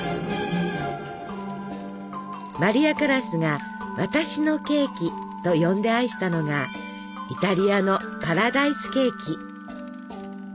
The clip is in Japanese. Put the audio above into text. マリア・カラスが「私のケーキ」と呼んで愛したのがイタリアのパラダイスケーキ。